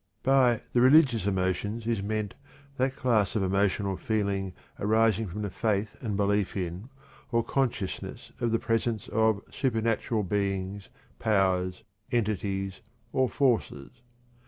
By "the religious emotions" is meant that class of emotional feeling arising from the faith and belief in, or consciousness of the presence of, supernatural beings, powers, entities, or forces.